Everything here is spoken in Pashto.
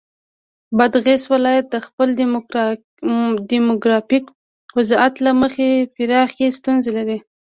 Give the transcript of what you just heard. بادغیس ولایت د خپل دیموګرافیک وضعیت له مخې پراخې ستونزې لري.